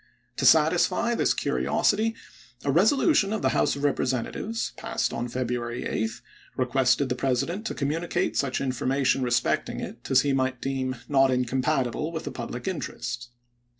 To satisfy this curi osity a resolution of the House of Representatives, "Globe," passed on February 8, requested the President to p. ees. communicate such information respecting it as he might deem not incompatible with the public in terest.